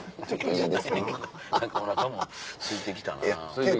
おなかもすいてきたな思うて。